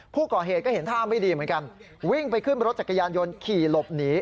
ผู้ก่อเหตุก็เห็นท่าไม่ดีเหมือนกันวิ่งไปขึ้นรถจักรยานยนต์ขี่หลบหนี